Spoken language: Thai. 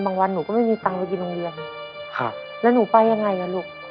วันหนูก็ไม่มีตังค์ไปกินโรงเรียนครับแล้วหนูไปยังไงอ่ะลูก